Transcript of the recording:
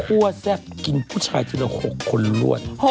แซ่บกินผู้ชายทีละ๖คนรวด